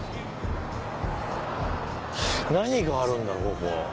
何があるんだろう？